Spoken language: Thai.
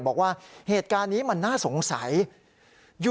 บอกว่าเหตุการณ์นี้มันน่าสงสัย